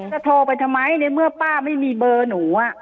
จะโทรไปทำไมในเมื่อป้าไม่มีเบอร์หนู